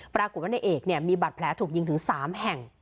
ปรากฏว่าในเอกเนี่ยมีบัตรแผลถูกยิงถึง๓แห่ง